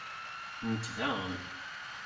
Nekk daɣen.